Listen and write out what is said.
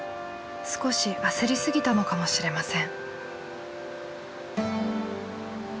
少し焦りすぎたのかもしれません。